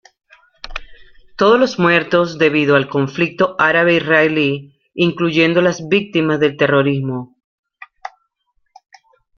Todos los muertos debido al conflicto árabe-israelí, incluyendo a las víctimas del terrorismo.